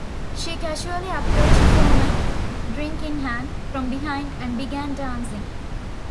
She casually approached Foreman, drink in hand, from behind and began dancing.